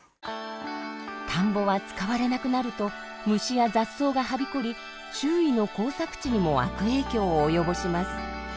田んぼは使われなくなると虫や雑草がはびこり周囲の耕作地にも悪影響を及ぼします。